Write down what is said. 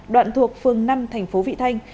đoạn thuộc phường năm thành phố vị thanh